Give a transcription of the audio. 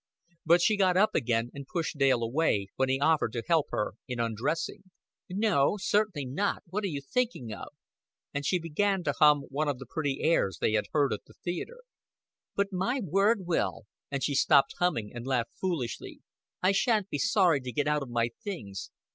But she got up again and pushed Dale away, when he offered to help her in undressing. "No, certainly not. What are you thinking of?" and she began to hum one of the pretty airs they had heard at the theater. "But, my word, Will," and she stopped humming, and laughed foolishly, "I shan't be sorry to get out of my things.